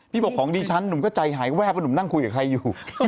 บอกของดิฉันหนุ่มก็ใจหายแวบว่าหนุ่มนั่งคุยกับใครอยู่